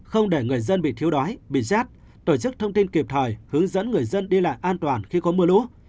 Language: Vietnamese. không để người dân bị thiếu đói bị rét tổ chức thông tin kịp thời hướng dẫn người dân đi lại an toàn khi có mưa lũ